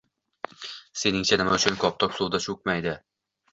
Seningcha nima uchun koptok suvda cho‘kmaydi?